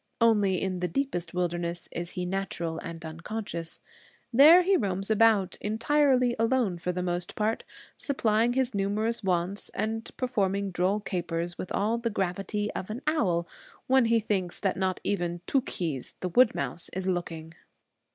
Only in the deepest wilderness is he natural and unconscious. There he roams about, entirely alone for the most part, supplying his numerous wants, and performing droll capers with all the gravity of an owl, when he thinks that not even Tookhees, the wood mouse, is looking.